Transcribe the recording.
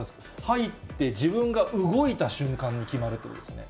入って、自分が動いた瞬間に決まるということですかね。